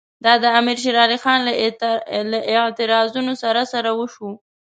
دا د امیر شېر علي خان له اعتراضونو سره سره وشوه.